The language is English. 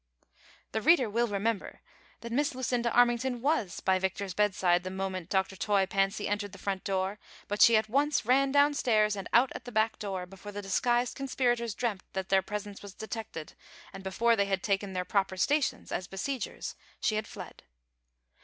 The reader will remember that Miss Lucinda Armington was by Victor's bedside the moment Dr. Toy Fancy en tered the front door, but she at once ran down stairs and out at the back door before the disguised conspirators dreamt that their presence was detected, and before they had taken their proper stations, as besiegers, she had fled.